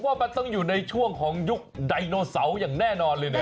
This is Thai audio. ว่ามันต้องอยู่ในช่วงของยุคไดโนเสาร์อย่างแน่นอนเลยนะ